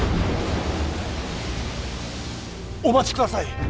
お待ちください。